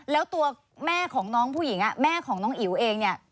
แล้วตัวแม่ของน้องผู้หญิงแม่ของน้องอิ๋วเองเนี่ย